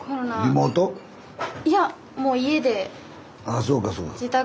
あそうかそうか。